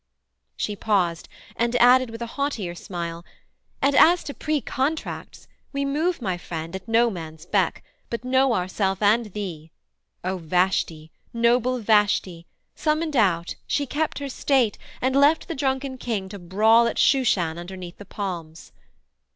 She paused, and added with a haughtier smile 'And as to precontracts, we move, my friend, At no man's beck, but know ourself and thee, O Vashti, noble Vashti! Summoned out She kept her state, and left the drunken king To brawl at Shushan underneath the palms.'